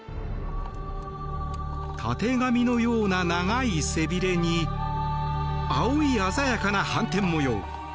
たてがみのような長い背びれに青い鮮やかな斑点模様。